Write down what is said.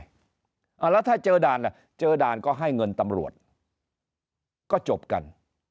แล้วถ้าเจอด่านอ่ะเจอด่านก็ให้เงินตำรวจก็จบกัน